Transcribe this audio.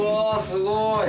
すごい！